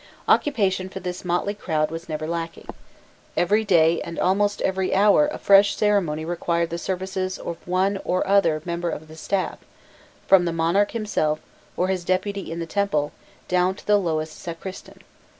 Occupation for this motley crowd was never lacking. Every day and almost every hour a fresh ceremony required the services of one or other member of the staff, from the monarch himself, or his deputy in the temple, down to the lowest sacristan.